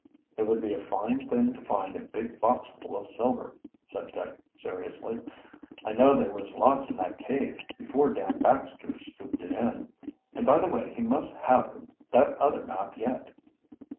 "It would be a fine thing to find a big boxful of silver," said Dick seriously. "I know there was lots in that cave, before Dan Baxter scooped it in. And, by the way, he must have that other map yet."